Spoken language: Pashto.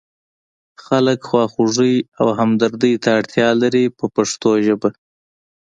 خلک خواخوږۍ او همدردۍ ته اړتیا لري په پښتو ژبه.